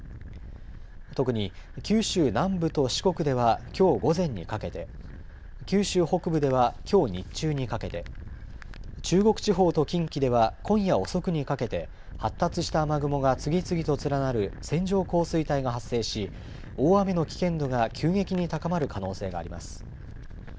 特に九州南部と四国では、きょう午前にかけて、九州北部では、きょう日中にかけて、中国地方と近畿では今夜遅くにかけて、発達した雨雲が次々と連なる線状降水帯が発生し、大雨の危険度が急激に高まる可能性があります。